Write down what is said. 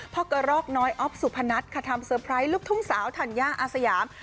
กระรอกน้อยอ๊อฟสุพนัทค่ะทำเตอร์ไพรส์ลูกทุ่งสาวธัญญาอาสยาม